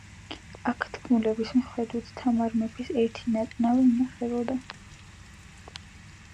აქ, თქმულების მიხედვით, თამარ მეფის ერთი ნაწნავი ინახებოდა.